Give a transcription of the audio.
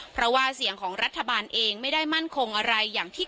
เพราะว่าเสียงของรัฐบาลเองไม่ได้มั่นคงอะไรอย่างที่